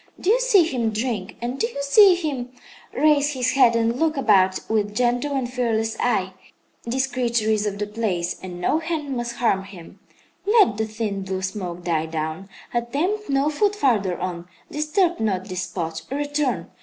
Do you see him drink, and do you see him raise his head and look about with gentle and fearless eye? This creature is of the place, and no hand must harm him. "Let the thin, blue smoke die down. Attempt no foot farther on. Disturb not this spot. Return.